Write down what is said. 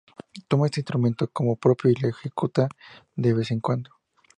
Toma este instrumento como propio y lo ejecuta de vez en cuando.